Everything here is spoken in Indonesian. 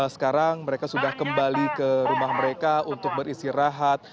sekarang mereka sudah kembali ke rumah mereka untuk beristirahat